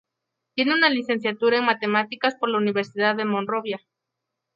Tiene una licenciatura en Matemáticas por la Universidad de Monrovia.